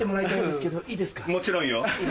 もちろんよ。